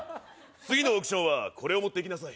次のオークションはこれを持っていきなさい